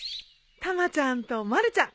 たまちゃんとまるちゃん！